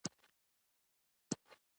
دوی د سیلابونو د مخنیوي ډیزاین کوي.